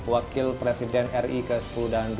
wakil presiden ri ke sepuluh dan